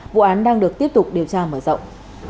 vụ án đang được tiếp tục điều tra mở rộng